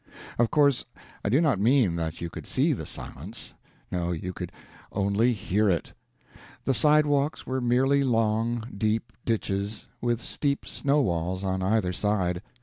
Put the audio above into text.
Of course I do not mean that you could see the silence no, you could only hear it. The sidewalks were merely long, deep ditches, with steep snow walls on either side.